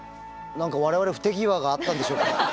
何か我々不手際があったんでしょうか？